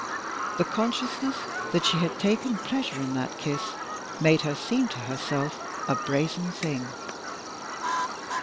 The consciousness that she had taken pleasure in that kiss made her seem to herself a brazen thing.